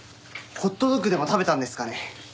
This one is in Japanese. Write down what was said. ホットドッグでも食べたんですかね？